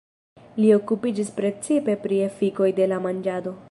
Li okupiĝis precipe pri efikoj de la manĝado.